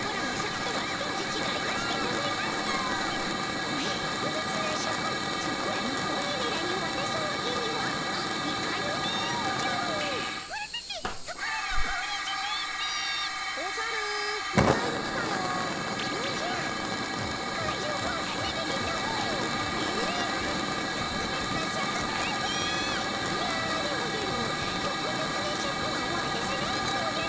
とくべつなシャクはわたさないでおじゃる。